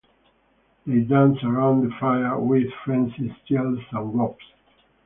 They dance around the fire with frenzied yells and whoops.